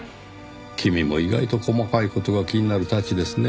君も意外と細かい事が気になるたちですねぇ。